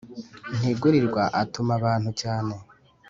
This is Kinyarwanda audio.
ntigurirwa atuma abantu cyane